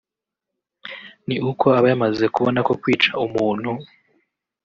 ni uko aba yamaze kubona ko kwica umuntu